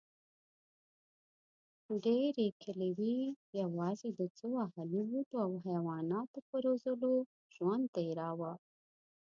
ډېرې کلیوې یواځې د څو اهلي بوټو او حیواناتو په روزلو ژوند تېراوه.